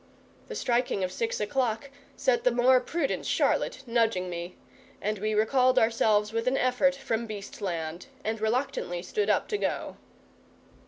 The striking of six o'clock set the more prudent Charlotte nudging me, and we recalled ourselves with an effort from Beast land, and reluctantly stood up to go.